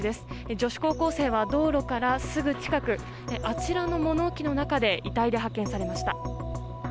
女子高校生は道路からすぐ近くあちらの物置の中で遺体で発見されました。